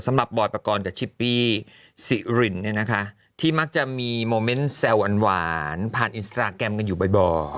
สำหรับบ่อยปกรณ์จากชิปปี้สิรินที่มักจะมีโมเมนต์แซวอันหวานผ่านอินสตาร์แกรมกันอยู่บ่อย